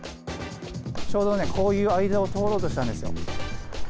ちょうどね、こういう間を通ろうとしたんですよ。